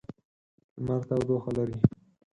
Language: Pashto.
لمر تودوخه لري.